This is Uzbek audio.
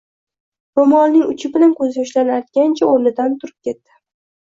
Ro`molining uchi bilan ko`zyoshlarini artgancha o`rnidan turib ketdi